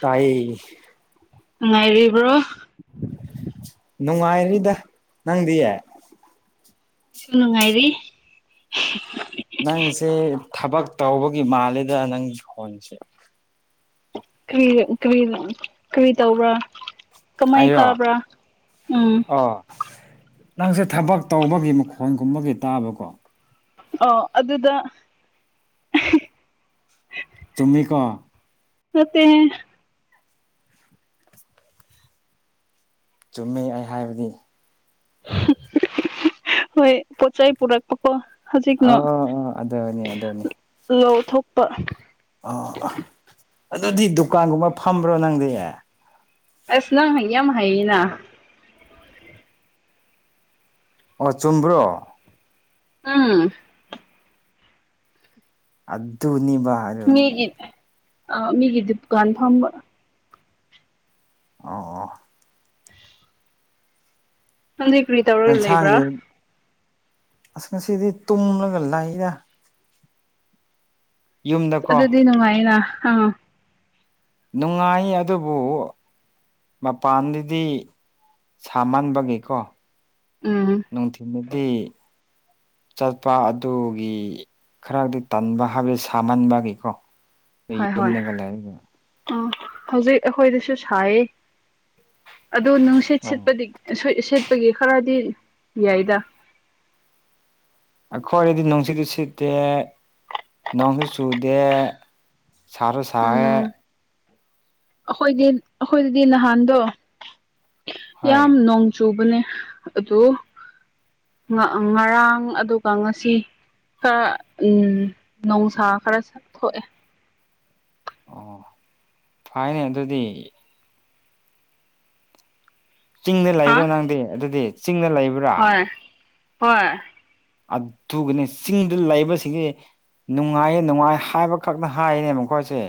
ꯇꯥꯏꯌꯦ ꯅꯨꯡꯉꯥꯏꯔꯤꯕ꯭ꯔꯣ ꯅꯨꯡꯉꯥꯏꯔꯤꯗ ꯅꯪꯗꯤ ꯑꯩꯁꯨ ꯅꯨꯡꯉꯥꯏꯔꯤ ꯅꯪꯁꯦ ꯊꯕꯛ ꯇꯧꯕꯒꯤ ꯃꯥꯜꯂꯦꯗ ꯅꯪꯒꯤ ꯈꯣꯟꯁꯦ꯫ ꯀꯔꯤꯔ ꯀꯔꯤꯔ ꯀꯔꯤ ꯇꯧꯕ꯭ꯔꯥ? ꯀꯃꯥꯏ ꯑꯩꯔꯣ ꯇꯥꯕ꯭ꯔꯥ ꯎꯝ ꯑꯣ ꯅꯪꯁꯦ ꯊꯕꯛ ꯇꯧꯕꯒꯤ ꯃꯈꯣꯟꯒꯨꯝꯕꯒꯤ ꯇꯥꯕꯀꯣ ꯑꯣ ꯑꯗꯨꯗ ꯆꯨꯝꯃꯤꯀꯣ ꯅꯠꯇꯦꯍꯦ ꯆꯨꯝꯃꯤ ꯑꯩ ꯍꯥꯏꯕꯗꯤ꯫ ꯍꯣꯏ ꯄꯣꯠꯆꯩ ꯄꯨꯔꯛ ꯄꯀꯣ ꯑ ꯍꯧꯖꯤꯛꯅ ꯑ ꯑꯗꯨꯅꯤ ꯑꯗꯨꯅꯤ ꯂꯧꯊꯣꯛꯄ ꯑ ꯑ ꯑꯗꯨꯗꯤ ꯗꯨꯀꯥꯟꯒꯨꯝꯕ ꯐꯝꯕ꯭ꯔꯣ ꯅꯪꯗꯤ꯫ ꯑꯁ ꯅꯪ ꯍꯩ ꯌꯥꯝ ꯍꯩꯌꯦꯅ꯫ ꯑꯣ ꯆꯨꯝꯕ꯭ꯔꯣ? ꯎꯝ ꯑꯗꯨꯅꯤꯕꯥ ꯃꯤꯒꯤ ꯑ ꯃꯤꯒꯤ ꯗꯨꯀꯥꯟ ꯐꯝꯕ꯫ ꯑꯣ ꯅꯪꯗꯤ ꯀꯔꯤ ꯇꯧ ꯌꯦꯟꯁꯥꯡꯁꯦ ꯑꯁ ꯉꯁꯤꯗꯤ ꯇꯨꯝꯂꯒ ꯂꯩꯗ꯫ ꯌꯨꯝꯗꯀꯣ ꯑꯗꯨꯗꯤ ꯅꯨꯡꯉꯥꯏꯅ ꯍ ꯅꯨꯡꯉꯥꯏ ꯑꯗꯨꯕꯨ ꯃꯄꯥꯟꯗꯗꯤ ꯁꯥꯃꯟꯕꯒꯤꯀꯣ ꯎꯝ ꯅꯨꯡꯊꯤꯜꯗꯗꯤ ꯆꯠꯄ ꯑꯗꯨꯒꯤ ꯈꯔꯗꯤ ꯇꯟꯕ ꯍꯥꯏꯕꯗꯤ ꯁꯥꯃꯟꯕꯒꯤꯀꯣ ꯍꯣꯏ ꯍꯣꯏ ꯌꯨꯝꯗꯒ ꯂꯩꯔꯒ ꯑ ꯍꯧꯖꯤꯛ ꯑꯩꯈꯣꯏꯗꯁꯨ ꯁꯥꯏꯌꯦ꯫ ꯑꯗꯨ ꯅꯨꯡꯁꯤꯠ ꯑꯣ ꯁꯦꯠꯄꯗꯤ ꯁꯦꯠꯄꯒꯤ ꯈꯔꯗꯤ ꯌꯥꯏꯗ ꯑꯩꯈꯣꯏꯔꯗꯤ ꯅꯨꯡꯁꯤꯠꯇꯨ ꯁꯤꯠꯇꯦ ꯅꯣꯡꯁꯨ ꯆꯨꯗꯦ ꯁꯥꯔ ꯁꯥꯏꯌꯦ ꯑꯈꯣꯏꯗꯤ ꯑꯈꯣꯏꯗꯗꯤ ꯅꯍꯥꯟꯗꯣ ꯍꯣꯏ ꯌꯥꯝ ꯅꯣꯡ ꯆꯨꯕꯅꯦ ꯑꯗꯨ ꯉ ꯉꯔꯥꯡ ꯑꯗꯨꯒ ꯉꯁꯤ ꯈꯔ ꯎ ꯅꯧꯁꯥ ꯈꯔ ꯁ ꯊꯣꯛꯑꯦ ꯑꯣ ꯐꯥꯏꯅꯦ ꯑꯗꯨꯗꯤ ꯆꯤꯡꯗ ꯍꯥ ꯂꯩꯕ꯭ꯔꯥ ꯅꯪꯗꯤ ꯑꯗꯨꯗꯤ ꯆꯤꯡꯗ ꯂꯩꯕ꯭ꯔꯥ ꯍꯣꯏ ꯍꯣꯏ ꯑꯗꯨꯅꯦ ꯆꯤꯡꯗ ꯂꯩꯕꯁꯤꯒꯤ ꯅꯨꯡꯉꯥꯏꯌꯦ ꯅꯨꯡꯉꯥꯏ ꯍꯥꯏꯕꯈꯛꯅ ꯍꯥꯏꯅꯦ ꯃꯈꯣꯏꯁꯦ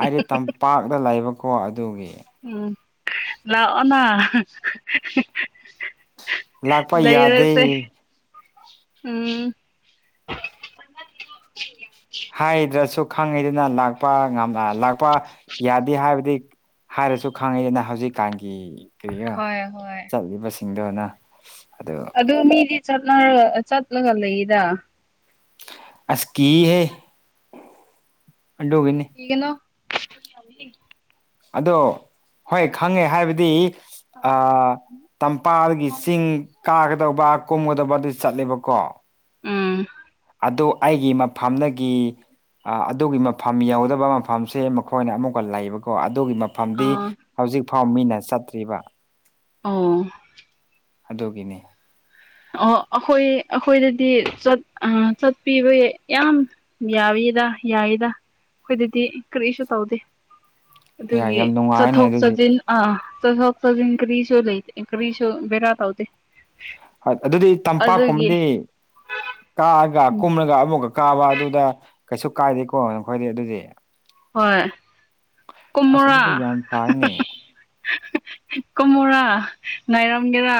ꯑꯩꯗꯤ ꯇꯝꯄꯥꯛꯇ ꯂꯩꯕꯀꯣ ꯑꯗꯨꯒꯤ ꯎꯝ ꯂꯥꯛꯑꯣꯅ ꯂꯥꯛꯄ ꯂꯩꯔꯁꯦ ꯌꯥꯗꯦ ꯎꯝ ꯍꯥꯏꯗ꯭ꯔꯁꯨ ꯈꯪꯉꯤꯗꯅ ꯂꯥꯛꯄ ꯉꯝ ꯑ ꯂꯥꯛꯄ ꯌꯥꯗꯦ ꯍꯥꯏꯕꯗꯤ ꯍꯥꯏꯔꯁꯨ ꯈꯪꯉꯤꯗꯅ ꯍꯧꯖꯤꯛꯀꯥꯟꯒꯤ ꯀꯔꯤꯔ ꯍꯣꯏ ꯍꯣꯏ ꯆꯠꯂꯤꯕꯁꯤꯡꯗꯣꯅ ꯑꯗꯨ ꯃꯤꯗꯤ ꯆꯠꯅꯔ ꯑ ꯆꯠꯂꯒ ꯂꯩꯗ ꯑꯁ ꯀꯤꯍꯦ ꯑꯗꯨꯒꯤꯅꯤ ꯀꯤꯒꯅꯣ ꯑꯗꯣ ꯍꯣꯏ ꯈꯪꯉꯦ ꯍꯥꯏꯕꯗꯤ ꯑ ꯇꯝꯄꯥꯛꯒꯤ ꯆꯤꯡ ꯀꯥꯒꯗꯧꯕ ꯀꯨꯝꯒꯗꯧꯕ ꯑꯗꯨ ꯆꯠꯂꯦꯕꯀꯣ ꯎꯝ ꯑꯗꯨ ꯑꯩꯒꯤ ꯃꯐꯝꯗꯒꯤ ꯑ ꯑꯗꯨꯒꯤ ꯃꯐꯝ ꯌꯧꯗꯕ ꯃꯐꯝꯁꯦ ꯃꯈꯣꯏꯅ ꯑꯃꯨꯛꯀ ꯂꯩꯕ ꯀꯣ ꯑꯗꯨꯒꯤ ꯃꯐꯝꯗꯤ ꯑꯥ ꯍꯧꯖꯤꯛ ꯐꯥꯎ ꯃꯤꯅ ꯆꯠꯇ꯭ꯔꯤꯕ ꯑꯥ ꯑꯗꯨꯒꯤꯅꯤ ꯑꯣ ꯑꯈꯣꯏ ꯑꯈꯣꯏꯗꯗꯤ ꯆꯠ ꯑ ꯆꯠꯄꯤꯕ ꯌꯥꯝ ꯌꯥꯏꯕꯤꯗ ꯌꯥꯏꯗ ꯑꯈꯣꯏꯗꯗꯤ ꯀꯔꯤꯁꯨ ꯇꯧꯗꯦ ꯌꯥꯏ ꯑꯗꯨꯒꯤ ꯌꯥꯝ ꯆꯠꯊꯣꯛ ꯅꯨꯡꯉꯥꯏꯅꯦ ꯑꯗꯨꯗꯤ ꯆꯠꯁꯤꯟ ꯑ ꯆꯠꯊꯣꯛ ꯆꯖꯤꯟ ꯀꯔꯤꯁꯨ ꯂꯩꯇꯦ ꯀꯔꯤꯁꯨ ꯕꯦꯔꯥ ꯇꯧꯗꯦ ꯍꯣꯏ ꯑꯗꯨꯗꯤ ꯑꯗꯨꯒꯤ ꯇꯝꯄꯥꯛꯀꯨꯝꯕꯗꯤ ꯀꯥꯑꯒ ꯀꯨꯝꯂꯒ ꯑꯃꯨꯛꯀ ꯀꯥꯕ ꯑꯗꯨꯗ ꯀꯩꯁꯨ ꯀꯥꯏꯗꯦꯀꯣ ꯅꯈꯣꯏꯗꯤ ꯑꯗꯨꯗꯤ ꯍꯣꯏ ꯑꯁ ꯀꯨꯝꯃꯣꯔꯥ ꯑꯗꯨꯗꯤ ꯌꯥꯝ ꯐꯩꯅꯦ ꯀꯨꯝꯃꯣꯔꯥ ꯉꯥꯏꯔꯝꯒꯦꯔꯥ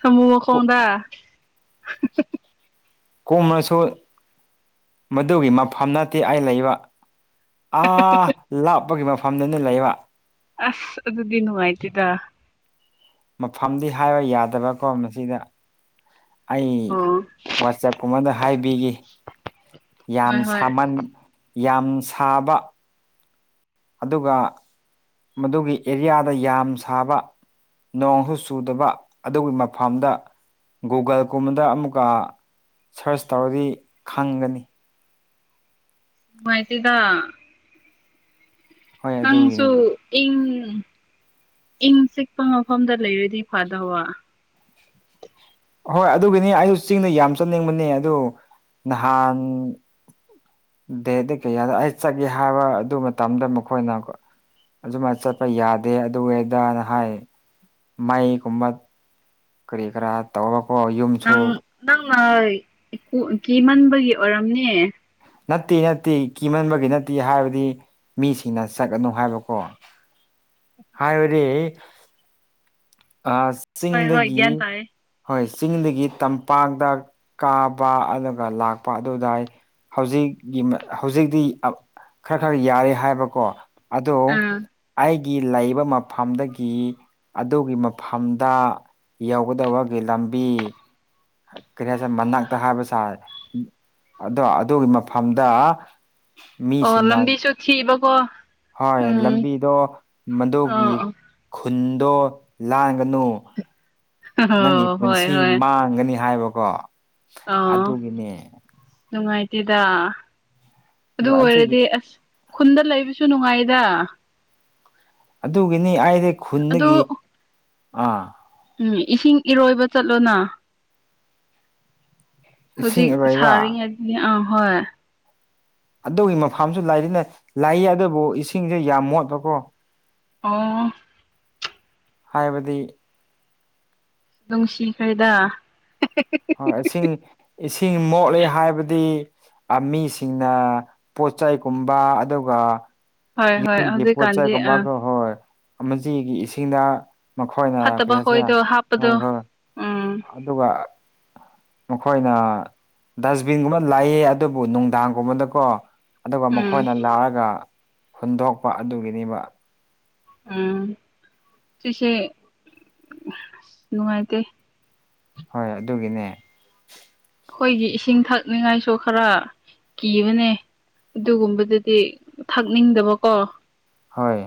ꯁꯥꯃꯨ ꯃꯈꯣꯡꯗ ꯀꯣꯝꯔꯁꯨ ꯃꯗꯨꯒꯤ ꯃꯐꯝ ꯅꯠꯇꯦ ꯑꯩ ꯂꯩꯕ ꯑꯥ ꯂꯥꯞꯄꯒꯤ ꯃꯐꯝꯗꯅꯤ ꯂꯩꯕ ꯑꯁ ꯑꯗꯨꯗꯤ ꯅꯨꯡꯉꯥꯏꯇꯦꯗ ꯃꯐꯝꯗꯤ ꯍꯥꯏꯕ ꯌꯥꯗꯕꯀꯣ ꯃꯁꯤꯗ ꯑꯩ ꯑꯣ ꯋꯥꯆꯞꯀꯨꯝꯕꯗ ꯍꯥꯏꯕꯤꯒꯤ ꯌꯥꯝ ꯍꯣꯏ ꯍꯣꯏ ꯁꯥꯃꯟ ꯌꯥꯝ ꯁꯥꯕ ꯑꯗꯨꯒ ꯃꯗꯨꯒꯤ ꯑꯦꯔꯤꯌꯥꯗ ꯌꯥꯝ ꯁꯥꯕ ꯅꯣꯡꯁꯨ ꯆꯨꯗꯕ ꯑꯗꯨꯒꯤ ꯃꯐꯝꯗ ꯫ ꯒꯨꯒꯜꯒꯨꯝꯕꯗ ꯑꯃꯨꯛꯀ ꯁꯔꯁ ꯇꯧꯔꯗꯤ ꯈꯪꯒꯅꯤ ꯫ ꯅꯨꯉꯥꯏꯇ‌ꯦꯗ ꯫ ꯍꯣꯏ ꯑꯗꯨꯒꯤꯅꯤ ꯅꯪꯁꯨ ꯏꯪ ꯏꯪ ꯆꯤꯛꯄ ꯃꯐꯝꯗ ꯂꯩꯔꯗꯤ ꯐꯥꯗꯧꯕ ꯫ ꯍꯣꯏ ꯑꯗꯨꯒꯤꯅꯤ ꯑꯩꯁꯨ ꯆꯤꯡꯗ ꯌꯥꯝ ꯆꯠꯅꯤꯡꯕꯅꯦ ꯑꯗꯨ ꯅꯍꯥꯟ ꯗꯦꯗ ꯗ ꯀꯩꯌꯥꯗ ꯑꯩ ꯆꯠꯀ‌ꯦ ꯍꯥꯏꯕ ꯑꯗꯨ ꯃꯇꯝꯗ ꯃꯈꯣꯏꯅ ꯑꯗꯨꯃꯥꯏꯅ ꯆꯠꯄ ꯌꯥꯗꯦ ꯑꯗꯨ ꯑꯗꯥꯅ ꯍꯥꯏ ꯫ ꯃꯥꯏꯒꯨꯝꯕ ꯀꯔꯤ ꯀꯔꯥ ꯇꯧꯔꯀꯣ ꯌꯨꯝꯁꯨ ꯅꯪ ꯫ ꯅꯪꯅ ꯀꯦ ꯀꯤꯃꯟꯕꯒꯤ ꯑꯣꯏꯔꯝꯅꯦ ꯫ ꯅꯠꯇꯦ ꯅꯠꯇꯦ ꯀꯤꯃꯟꯕꯒꯤ ꯅꯠꯇꯦ ꯍꯥꯏꯕꯗꯤ ꯃꯤꯁꯤꯡꯅ ꯆꯠꯒꯅꯨ ꯍꯥꯏꯕꯀꯣ ꯫ ꯍꯥꯏꯕꯗꯤ ꯑꯥ ꯍꯣꯏ ꯍꯣꯏ ꯆꯤꯡꯗꯒꯤ ꯒ꯭ꯌꯥꯟ ꯇꯥꯏꯌꯦ ꯍꯣꯏ ꯆꯤꯡꯗꯒꯤ ꯇꯝꯄꯥꯛꯇ ꯀꯥꯕ ꯑꯗꯨꯒ ꯂꯥꯛꯄ ꯑꯗꯨꯗꯥꯏ ꯍꯧꯖꯤꯛ ꯒꯤ ꯍꯧꯖꯤꯛꯇꯤ ꯈꯔ ꯈꯔ ꯌꯥꯔꯦ ꯍꯥꯏꯕꯀꯣ ꯫ ꯑꯣꯗ‌ꯣ ꯑꯥ ꯑꯩꯒꯤ ꯂꯩꯕ ꯃꯐꯝꯗꯒꯤ ꯑꯗꯨꯒꯤ ꯐꯝꯗ ꯌꯧꯒꯗꯕꯒꯤ ꯂꯝꯕꯤ ꯀꯔꯤ ꯍꯥꯏꯁꯦ ꯃꯅꯥꯛꯇ ꯍꯥꯏꯕꯁꯥꯏ ꯑꯗꯣ ꯑꯗꯨꯒꯤ ꯃꯐꯝꯗ ꯑꯣ ꯃꯤꯁꯤꯡꯅ ꯂꯝꯕꯤꯁꯨ ꯊꯤꯕꯀꯣ ꯫ ꯍꯣꯏ ꯂꯝꯕꯤꯗꯣ ꯃꯗꯨꯒꯤ ꯑ ꯈꯨꯟꯗꯣ ꯂꯥꯟꯒꯅꯨ ꯫ ꯅꯪꯒꯤ ꯍꯣꯏ ꯄꯨꯟꯁꯤ ꯍꯣꯏ ꯃꯥꯡꯒꯅꯤ ꯍꯥꯏꯕꯀꯣ ꯑ ꯑꯗꯨꯒꯤꯅꯦ ꯫ ꯅꯨꯡꯉꯥꯏꯇꯦꯗ ꯑꯗꯨ ꯑꯣꯏꯔꯗꯤ ꯑꯁ ꯈꯨꯟꯗ ꯂꯩꯕꯁꯨ ꯅꯨꯡꯉꯥꯏꯗ ꯫ ꯑꯗꯨꯒꯤꯅꯤ ꯑꯩꯗꯤ ꯑꯗꯨ ꯈꯨꯟꯗꯒꯤ ꯑꯥ ꯎꯝ ꯏꯁꯤꯡ ꯏꯔꯣꯏꯕ ꯆꯠꯂꯣꯅ ꯫ ꯏꯁꯤꯡ ꯍꯧꯖꯤꯛ ꯑꯔꯣꯏꯕ ꯁꯥꯔꯤꯉꯩꯗꯗꯤ ꯑꯥ ꯍꯣꯏ ꯫ ꯑꯗꯨꯒꯤ ꯃꯐꯝꯁꯨ ꯂꯩꯔꯤꯅꯦ ꯂꯩ ꯑꯗꯨꯕꯨ ꯏꯁꯤꯡꯁꯦ ꯌꯥꯝ ꯃꯣꯠꯄꯀꯣ ꯫ ꯑꯣ ꯍꯥꯏꯕꯗꯤ ꯅꯨꯡꯁꯤꯈ꯭ꯔ‌ꯦꯗ ꯍꯣꯏ ꯏꯁꯤꯡ ꯏꯁꯤꯡ ꯃꯣꯠꯂ‌ꯦ ꯍꯥꯏꯕꯗꯤ ꯃꯤꯁꯤꯡꯅ ꯄꯣꯠ ꯆꯩ ꯀꯨꯝꯕ ꯑꯗꯨꯒ ꯍꯣꯏ ꯍꯣꯏ ꯌꯨꯝꯒꯤ ꯄꯣꯠꯆꯩ ꯍꯧꯖꯤꯛꯀꯥꯟꯗꯤ ꯑ ꯒꯨꯝꯕꯒ ꯍꯣꯏ ꯑꯃꯁꯤꯒꯤ ꯏꯁꯤꯡꯗ ꯃꯈꯣꯏꯅ ꯐꯠꯇꯕ ꯀꯔꯤꯍꯥꯏꯁꯤꯔ ꯈꯣꯏꯗꯣ ꯍꯣꯏ ꯍꯥꯞꯄꯗꯣ ꯍꯣꯏ ꯎꯝ ꯑꯗꯨꯒ ꯃꯈꯣꯏꯅ ꯗꯁꯕꯤꯟꯒꯨꯝꯕ ꯂꯩ ꯑꯗꯨꯕꯨ ꯅꯨꯡꯗꯥꯡꯒꯨꯝꯕꯗꯀꯣ ꯑꯗꯨꯒ ꯎꯝ ꯃꯈꯣꯏꯅ ꯂꯥꯛꯑꯒ ꯍꯨꯟꯗꯣꯛꯄ ꯑꯗꯨꯒꯤꯅꯦꯕ ꯫ ꯎꯝ ꯁꯤꯁ‌ꯦ ꯅꯨꯡꯉꯥꯏꯇꯦ ꯫ ꯍꯣꯏ ꯑꯗꯨꯒꯤꯅꯦ ꯫ ꯈꯣꯏꯒꯤ ꯏꯁꯤꯡ ꯊꯛꯅꯤꯡꯉꯥꯏꯁꯨ ꯈꯔ ꯀꯤꯕꯅꯦ ꯑꯗꯨꯒꯨꯝꯕꯗꯗꯤ ꯊꯛꯅꯤꯡꯗꯕꯀꯣ ꯫ ꯍ‌ꯣꯏ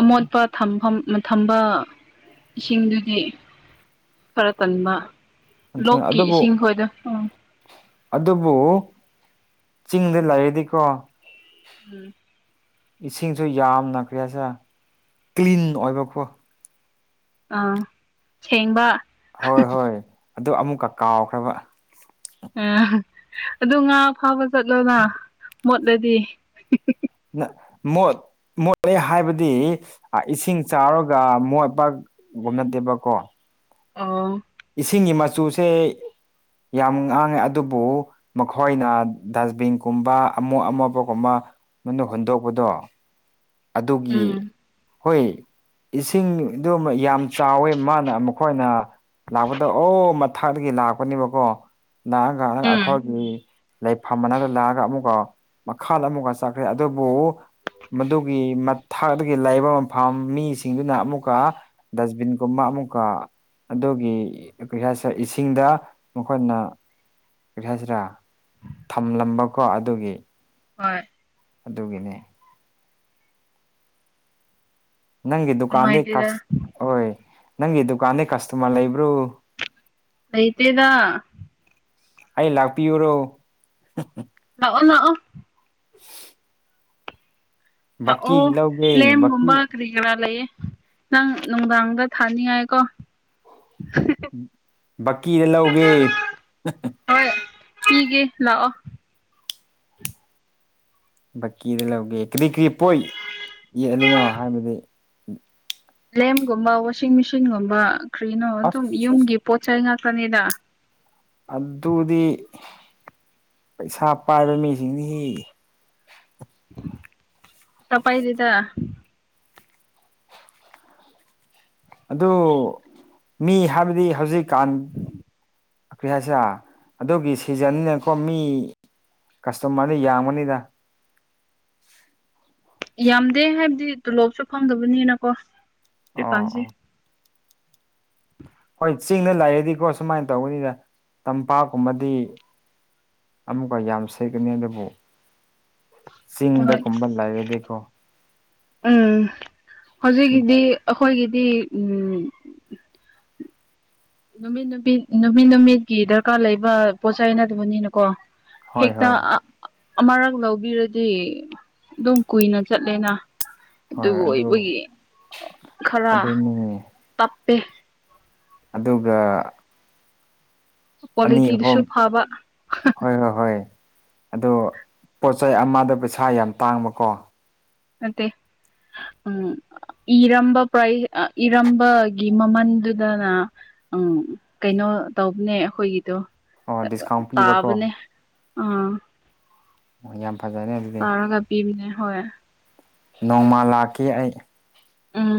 ꯑꯃꯣꯠꯄ ꯊꯝꯐꯝ ꯊꯝꯕ ꯏꯁꯤꯡꯗꯨꯗꯤ ꯈꯔ ꯇꯟꯕ ꯑꯗꯨ ꯂꯣꯛꯀꯤ ꯑꯗꯨꯕꯨ ꯏꯁꯤꯡ ꯈꯣꯏꯗꯨ ꯎꯝ ꯑꯗꯨꯕꯨ ꯆꯤꯡꯗ ꯂꯩꯔꯗꯤꯀꯣ ꯎꯝ ꯏꯁꯤꯡꯁꯨ ꯌꯥꯝꯅ ꯀ꯭ꯔꯤ ꯍꯥꯏꯁꯤꯔ ꯀ꯭ꯂꯤꯟ ꯑꯣꯏꯕꯀꯣ ꯫ ꯑꯥ ꯁꯦꯡꯕ ꯍꯣꯏ ꯍꯣꯏ ꯑꯗꯨ ꯑꯃꯨꯛꯀ ꯀꯥꯎꯈ꯭ꯔꯕ ꯑ ꯑꯗꯨ ꯉꯥ ꯐꯥꯕ ꯆꯠꯂꯣꯅ ꯃꯣꯠꯂꯗꯤ ꯃꯣꯠ ꯃꯣꯠꯂꯦ ꯍꯥꯏꯕꯗꯤ ꯏꯁꯤꯡ ꯆꯥꯎꯔꯒ ꯃꯣꯏꯠꯄꯥꯛꯒꯨꯝ ꯅꯠꯇꯦꯕꯀꯣ ꯑꯣ ꯏꯁꯤꯡꯒꯤ ꯃꯆꯨꯁꯦ ꯌꯥꯝ ꯉꯥꯡꯉꯦ ꯑꯗꯨꯕꯨ ꯃꯈꯣꯏꯅ ꯗꯁꯕꯤꯟꯒꯨꯝꯕ ꯑꯃꯣꯠ ꯑꯃꯣꯞꯄꯒꯨꯝꯕ ꯃ ꯍꯨꯟꯗꯣꯛꯄꯗꯣ ꯑꯗꯨꯒꯤ ꯎꯝ ꯍꯣꯏ ꯏꯁꯤꯡꯗꯨ ꯌꯥꯝ ꯆꯥꯎꯋꯦ ꯃꯥꯅ ꯃꯈꯣꯏꯅ ꯂꯥꯛꯄꯗ ꯑꯣ ꯊꯥꯒꯤ ꯂꯥꯛꯄꯅꯦꯕꯀꯣ ꯉꯥꯡ ꯉꯥꯏꯍꯪ ꯎꯝ ꯑꯩꯈꯣꯏꯒꯤ ꯂꯩꯐꯝ ꯃꯅꯥꯗ ꯂꯥꯛꯑꯒ ꯑꯃꯨꯛꯒ ꯃꯈꯥ ꯑꯃꯨꯛꯒ ꯆꯥꯈ꯭ꯔꯦ ꯑꯗꯨꯕꯨ ꯃꯗꯨ ꯒꯤ ꯃꯊꯥꯛꯇꯒꯤ ꯂꯩꯕ ꯃꯐꯝ ꯃꯤꯁꯤꯡꯗꯨꯅ ꯑꯃꯨꯛꯀ ꯗꯁꯕꯤꯟ ꯀꯨꯝꯕ ꯑꯃꯨꯛꯀ ꯑꯗꯨꯒꯤ ꯀꯔꯤ ꯍꯥꯏꯁꯦꯔ ꯏꯁꯤꯡꯗ ꯃꯈꯣꯏꯅ ꯀꯔꯤ ꯍꯥꯏꯁꯤꯔ ꯊꯝꯂꯝꯕꯀꯣ ꯑꯗꯨꯒꯤ ꯍꯣꯏ ꯑꯗꯨꯒꯤꯅꯦ ꯅꯪꯒꯤ ꯗꯨꯀꯥꯟꯗꯤ ꯅꯨꯡꯉꯥꯏꯇꯦꯗ ꯀꯁ ꯍꯣꯏ ꯅꯪꯒꯤ ꯗꯨꯀꯥꯟꯗꯩ ꯀꯁꯇꯃꯔ ꯂꯩꯕ꯭ꯔꯣ ꯂꯩꯇꯦꯗ ꯑꯩ ꯂꯥꯛꯄꯤꯌꯨꯔꯣ ꯂꯥꯛꯑꯣ ꯂꯥꯛꯑꯣ [inaudible] ꯂꯥꯛꯑꯣ ꯕꯀꯤ ꯂꯧꯒꯦ ꯕꯀꯤ ꯂꯦꯝꯒꯨꯝꯕ ꯀ꯭ꯔꯤ ꯂꯩꯌꯦ ꯅꯪ ꯅꯨꯡꯗꯥꯡꯗ ꯊꯥꯅꯤꯡꯉꯥꯏꯀꯣ ꯕꯥꯀꯤꯗ ꯂꯧꯒꯦ ꯍꯣꯏ ꯄꯤꯒꯦ ꯂꯥꯛꯑꯣ ꯕꯛꯀꯤꯗ ꯂꯧꯒꯦ ꯀꯔꯤ ꯀꯔꯤ ꯄꯣꯏ ꯌꯦꯛꯂꯤꯅꯣ ꯍꯥꯏꯕꯗꯤ ꯂꯦꯝꯒꯨꯝꯕ ꯋꯥꯁꯤꯡ ꯃꯦꯆꯤꯟꯒꯨꯝꯕ ꯀꯔꯤꯅꯣ ꯑꯁ ꯑꯗꯨꯝ ꯌꯨꯝꯒꯤ ꯄꯣꯠꯆ ꯆꯩ ꯉꯥꯛꯇꯅꯤꯗ ꯑꯗꯨꯗꯤ ꯄꯩꯁꯥ ꯄꯥꯏꯕ ꯃꯤꯁꯤꯡꯗꯤ ꯍꯤ ꯄꯩꯁꯥ ꯄꯥꯏꯗꯦꯗ ꯑꯗꯨ ꯃꯤ ꯍꯥꯏꯕꯗꯤ ꯍꯧꯖꯤꯛꯀꯥꯟ ꯀꯔꯤ ꯍꯥꯏꯁꯤꯔ ꯑꯗꯨꯒꯤ ꯁꯤꯖꯟꯅꯦꯀꯣ ꯃꯤ ꯀꯁꯇꯃꯔꯅ ꯌꯥꯝꯕꯅꯤꯗ ꯌꯥꯝꯗꯦ ꯍꯥꯏꯕꯗꯤ ꯇꯣꯂꯣꯞꯁꯨ ꯐꯪꯗꯕꯅꯤꯅꯀꯣ ꯑꯣ ꯍꯧꯖꯤꯛꯀꯥꯟꯁꯦ ꯑꯣ ꯍꯣꯏ ꯆꯤꯡꯗ ꯂꯩꯑꯗꯤꯀꯣ ꯁꯨꯃꯥꯏꯅ ꯇꯧꯕꯅꯤꯗ ꯇꯝꯄꯥꯛꯀꯨꯝꯕꯗꯤ ꯑꯃꯨꯛꯀ ꯌꯥꯝ ꯁꯥꯒꯅꯤ ꯑꯗꯨꯕꯨ ꯍꯣꯏ ꯆꯤꯡꯗꯒꯨꯝꯕ ꯂꯩꯔꯗꯤꯀꯣ ꯎꯝ ꯁꯨꯝ ꯍꯧꯖꯤꯛꯀꯤꯗꯤ ꯑꯩꯈꯣꯏꯒꯤꯗꯤ ꯎꯝ ꯅꯨꯃꯤꯠ ꯅꯨꯃꯤꯠ ꯅꯨꯃꯤꯠ ꯅꯨꯃꯤꯠꯀꯤ ꯗꯔꯀꯥꯔ ꯂꯩꯕ ꯄꯣꯠ ꯆꯩ‌ ꯅꯠꯇꯕꯅꯤꯅꯀꯣ ꯍꯣꯏ ꯍꯦꯛꯇ ꯍꯣꯏ ꯑꯥ ꯑꯃꯔꯛ ꯂꯧꯕꯤꯔꯗꯤ ꯑꯗꯨꯝ ꯀꯨꯏꯅ ꯆꯠꯂꯦꯅ ꯑꯗꯨ ꯑꯣꯏꯕꯒꯤ ꯈꯔ ꯑꯗꯨꯅꯤ ꯇꯞꯄꯦ ꯑꯗꯨꯒ ꯑꯅꯤ ꯀ꯭ꯋꯥꯂꯤꯇꯤꯗꯨꯁꯨ ꯑꯍꯨꯝ ꯐꯕ ꯍꯣꯏ ꯍꯣꯏ ꯍꯣꯏ ꯑꯗꯣ ꯄꯣꯠ ꯆꯩꯩ ꯑꯃꯗꯣ ꯄꯩꯁꯥ ꯌꯥꯝ ꯇꯥꯡꯕꯀꯣ ꯅꯠꯇꯦ ꯎꯝ ꯏꯔꯝꯕ ꯄ꯭ꯔꯥꯏꯖ ꯏꯔꯝꯕꯒꯤ ꯃꯃꯜꯗꯨꯗꯅ ꯎꯝ ꯀꯩꯅꯣ ꯇꯧꯕꯅꯦ ꯑꯩꯈꯣꯏꯒꯤꯗꯣ ꯑꯣ ꯗꯤꯁꯀꯥꯎꯟ ꯄꯤꯕꯀꯣ ꯇꯥꯕꯅꯦ ꯑꯥ ꯑꯣ ꯌꯥꯝ ꯐꯖꯔꯦ ꯑꯗꯨꯗꯤ ꯄꯤꯅꯤ ꯍꯣꯏ ꯅꯣꯡꯃꯥ ꯂꯥꯛꯀꯦ ꯑꯩ ꯎꯝ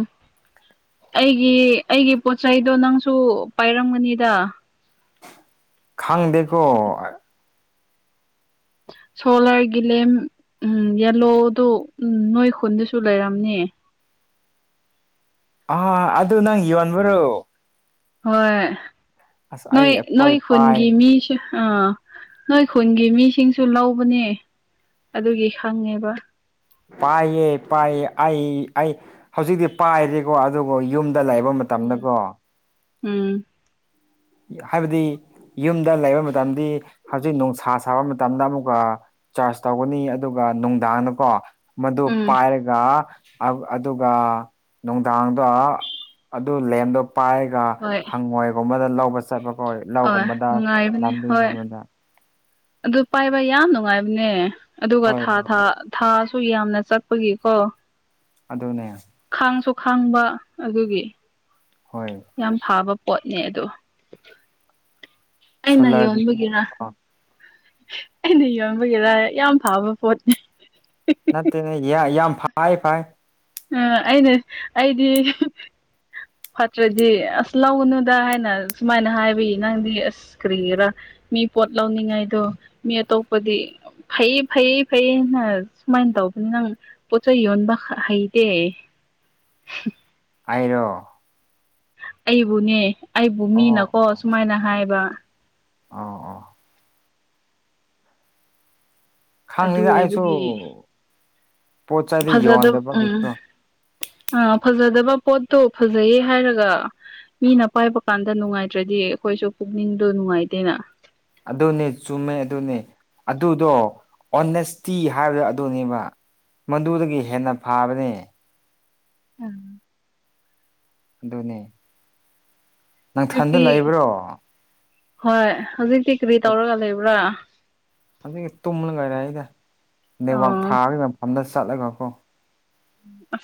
ꯑꯩꯒꯤ ꯑꯩꯒꯤ ꯄꯣꯠ ꯆꯩꯗꯣ ꯅꯪꯁꯨ ꯄꯥꯏꯔꯝꯒꯅꯤꯗ ꯈꯪꯗꯦꯀꯣ ꯁꯣꯂꯔꯒꯤ ꯂꯦꯝ ꯎꯝ ꯌꯦꯂꯣꯗꯨ ꯎꯝ ꯅꯣꯏ ꯈꯨꯨꯟꯗꯁꯨ ꯂꯩꯔꯝꯅꯤ ꯑ ꯑꯗꯨ ꯅꯪ ꯌꯣꯟꯕꯔꯣ ꯍꯣꯏ ꯑꯁ ꯅꯣꯏ ꯑꯩ ꯅꯣꯏ ꯑꯩꯈꯣꯏ ꯄꯥꯏ ꯈꯨꯟꯒꯤ ꯃꯤꯁꯨ ꯑꯥ ꯅꯣꯏ ꯈꯨꯟꯒꯤ ꯃꯤꯁꯤꯡꯁꯨ ꯂꯧꯕꯅꯦ ꯑꯗꯨꯒꯤ ꯈꯪꯉꯦꯕ ꯄꯥꯏꯌꯦ ꯄꯥꯏꯌꯦ ꯑꯩ ꯑꯩ ꯍꯧꯖꯤꯛꯇꯤ ꯄꯥꯏꯗ꯭ꯔꯦꯀꯣ ꯑꯗꯨꯒ ꯌꯨꯝꯗ ꯂꯩꯕ ꯂꯩꯕ ꯎꯝ ꯃꯇꯝꯗꯀꯣ ꯎꯝ ꯍꯥꯏꯕꯗꯤ ꯌꯨꯝꯗ ꯂꯩꯕ ꯃꯇꯝꯗꯤ ꯍꯧꯖꯤꯛ ꯅꯨꯡꯁꯥ ꯁꯥꯕ ꯃꯇꯝꯗ ꯑꯃꯨꯛꯀ ꯆꯥꯔꯖ ꯇꯧꯒꯅꯤ ꯑꯗꯨꯒ ꯅꯨꯡꯗꯥꯡꯗꯀꯣ ꯃꯗꯨ ꯎꯝ ꯄꯥꯏꯔꯒ ꯑꯗꯨꯒ ꯅꯨꯡꯗꯥꯡꯗꯣ ꯑꯗꯨ ꯂꯦꯝꯗꯣ ꯄꯥꯏꯔꯒ ꯍꯣꯏ ꯍꯪꯉꯣꯏꯒꯨꯝꯕꯗ ꯂꯧꯕ ꯆꯠꯄꯒꯣ ꯍꯣꯏ ꯂꯧꯒꯨꯝꯕꯗ ꯅꯨꯡꯉꯥꯏꯕꯅꯦ ꯍꯣꯏ ꯂꯝꯕꯤꯒꯨꯝꯕꯗ ꯑꯗꯨ ꯄꯥꯏꯕ ꯌꯥꯝ ꯅꯨꯡꯉꯥꯏꯕꯅꯦ ꯑꯗꯨꯒ ꯍꯣꯏ ꯊꯥ ꯍꯣꯏ ꯊꯥ ꯊꯥꯁꯨ ꯌꯥꯝꯅ ꯆꯠꯄꯒꯤꯀꯣ ꯑꯗꯨꯅꯦ ꯈꯥꯡꯁꯨ ꯈꯥꯡꯕ ꯑꯗꯨꯒꯤ ꯍꯣꯏ ꯌꯥꯝ ꯐꯥꯕ ꯄꯣꯠꯅꯦ ꯑꯗꯣ ꯑꯩꯅ ꯁꯣꯂꯔꯒꯤꯗꯤ ꯌꯣꯟꯕꯒꯤꯔ ꯑꯣ ꯑꯩꯅ ꯌꯣꯟꯕꯒꯤꯔ ꯌꯥꯝ ꯐꯕ ꯄꯣꯠꯅꯤ ꯅꯠꯇꯦꯅꯦ ꯌꯥꯝ ꯌꯥꯝ ꯐꯥꯏ ꯐꯥꯏ ꯎꯝ ꯑꯩꯅ ꯑꯩꯗꯤ ꯐꯠꯇ꯭ꯔꯗꯤ ꯑꯁ ꯂꯧꯒꯅꯨꯗ ꯍꯥꯏꯅ ꯁꯨꯃꯥꯏꯅ ꯍꯥꯏꯕꯒꯤ ꯅꯪꯗꯤ ꯑꯁ ꯀꯔꯤꯒꯤꯔꯥ ꯃꯤ ꯄꯣꯠ ꯂꯧꯅꯤꯡꯉꯥꯏꯗꯣ ꯃꯤ ꯑꯇꯣꯞꯄꯗꯤ ꯐꯩꯌꯦ ꯐꯩꯌꯦ ꯐꯩꯌꯦꯅ ꯁꯨꯃꯥꯏꯅ ꯇꯧꯕꯅꯤ ꯅꯪ ꯄꯣꯠ ꯆꯩ ꯌꯣꯟꯕ ꯍꯩꯇꯦ ꯑꯩꯔꯣ ꯑꯩꯕꯨꯅꯦ ꯑꯩꯕꯨ ꯑꯣ ꯃꯤꯅꯀꯣ ꯑꯣ ꯁꯨꯃꯥꯏꯅ ꯍꯥꯏꯕ ꯑꯣ ꯑꯣ ꯑꯗꯨ ꯈꯪꯗꯦꯗ ꯑꯩꯁꯨ ꯄꯣꯠ ꯆꯩꯗꯤ ꯐꯖꯗ ꯎꯝ ꯌꯣꯟꯗꯕꯒꯤꯁꯨ ꯑꯥ ꯐꯖꯗꯕ ꯄꯣꯠꯇꯣ ꯐꯖꯩꯌꯦ ꯍꯥꯏꯔꯒ ꯃꯤꯅ ꯄꯥꯏꯕ ꯀꯥꯟꯗ ꯅꯨꯡꯉꯥꯏꯇ꯭ꯔꯗꯤ ꯑꯩꯈꯣꯏꯁꯨ ꯄꯨꯛꯅꯤꯡꯗꯣ ꯅꯨꯡꯉꯥꯏꯇꯦꯅ ꯑꯗꯨꯅꯦ ꯆꯨꯝꯃꯦ ꯑꯗꯨꯅꯦ ꯑꯗꯨꯗꯣ ꯑꯣꯅꯦꯁꯇꯤ ꯍꯥꯏꯕꯗꯨ ꯑꯗꯨꯅꯦꯕ ꯃꯗꯨꯗꯒꯤ ꯍꯦꯟꯅ ꯐꯕꯅꯤ ꯎꯝ ꯑꯗꯨꯅꯦ ꯅꯪꯊꯟꯗ ꯍꯧꯖꯤꯛꯇꯤ ꯂꯩꯕ꯭ꯔꯣ ꯍꯣꯏ ꯍꯧꯖꯤꯛꯇꯤ ꯀꯔꯤ ꯇꯧꯔꯒ ꯂꯩꯕ꯭ꯔꯥ ꯍꯧꯖꯤꯛꯅ ꯇꯨꯝꯃꯒ ꯂꯩꯌꯦꯗ ꯅꯦꯠꯋꯥꯛ ꯑꯣ ꯐꯥꯕ ꯃꯐꯝꯗ ꯆꯠꯂꯒꯀꯣ [unintelligible]